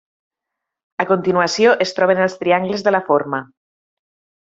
A continuació es troben els triangles de la forma.